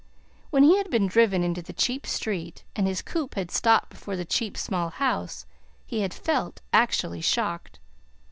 When he had been driven into the cheap street, and his coupe had stopped before the cheap, small house, he had felt actually shocked.